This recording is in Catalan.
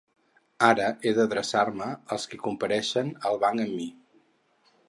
Ara he d’adreçar-me als qui comparteixen el banc amb mi.